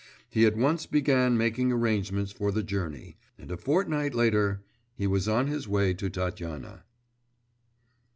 He at once began making arrangements for the journey, and a fortnight later he was on his way to Tatyana.